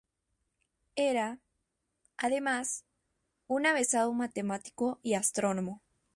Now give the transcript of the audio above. Era, además, un avezado matemático y astrónomo.